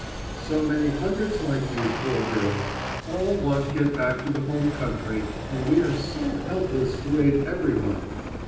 "So many hundreds like you, poor girl. All want to get back to the home country, and we are so helpless to aid every one."